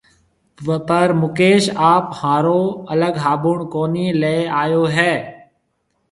پر مڪيش آپ هارون الگ هابُڻ ڪونهي ليَ آيو هيَ۔